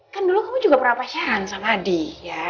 kan dulu kamu juga pernah pasaran sama adi ya